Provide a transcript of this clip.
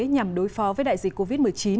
nhằm đối phó với đại dịch covid một mươi chín